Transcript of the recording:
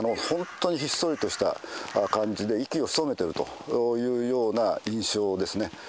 本当にひっそりとした感じで、息を潜めているというような印象ですね。